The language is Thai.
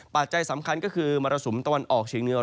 ปักใจสำคัญก็คือมรสุมตะวันออกชีเงียร์